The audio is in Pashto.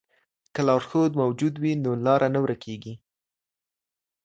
که لارښود موجود وي نو لاره نه ورکېږي.